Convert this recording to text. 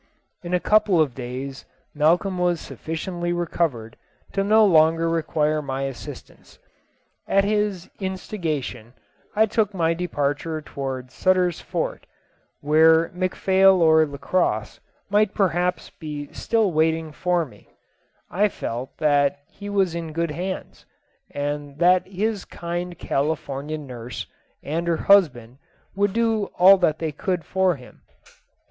In a couple of days Malcolm was sufficiently recovered no longer to require my assistance. At his instigation, I took my departure towards Sutter's Fort, where McPhail or Lacosse might perhaps still be waiting for me. I felt that he was in good hands, and that his kind Californian nurse and her husband would do all that they could for him.